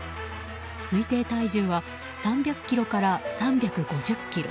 推定体重は３００ｋｇから３５０ｋｇ。